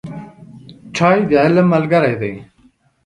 چای د علم ملګری دی